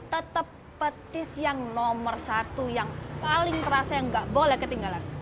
tetap petis yang nomor satu yang paling terasa yang nggak boleh ketinggalan